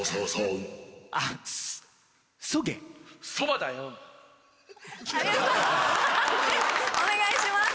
判定お願いします。